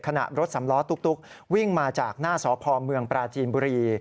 รถสำล้อตุ๊กวิ่งมาจากหน้าสพเมืองปราจีนบุรี